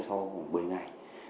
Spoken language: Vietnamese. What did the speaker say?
sau một mươi ngày